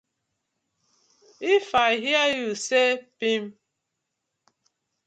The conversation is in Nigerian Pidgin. If I hear yu say pipp.